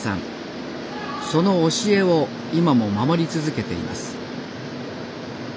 その教えを今も守り続けています